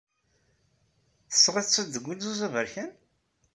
Tesɣiḍ-t-id deg wulzuz aberkan?